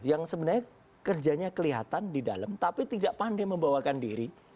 yang sebenarnya kerjanya kelihatan di dalam tapi tidak pandai membawakan diri